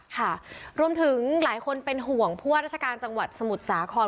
ค่ะรวมถึงหลายคนเป็นห่วงผู้ว่าราชการจังหวัดสมุทรสาคร